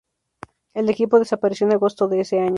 El equipo despareció en agosto de ese año.